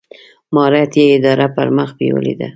مهارت یې اداره پر مخ بېولې ده.